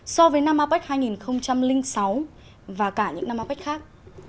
so với năm apec hai nghìn sáu và cả những năm apec khác